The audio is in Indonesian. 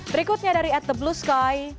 berikutnya dari at the blue sky